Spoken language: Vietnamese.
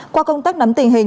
qua công tác nắm tình hình